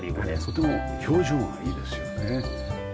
とても表情がいいですよね。